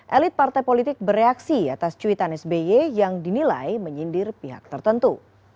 elit partai politik bereaksi atas cuitan sby yang dinilai menyindir pihak tertentu